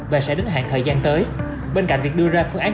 và sẽ đến hạn thời gian tới bên cạnh việc đưa ra phương án